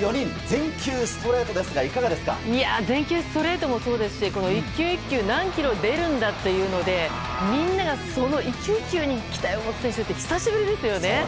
全球ストレートもそうですし１球１球何キロ出るんだというのでみんなが、その１球１球に期待を持つ選手って久しぶりですよね。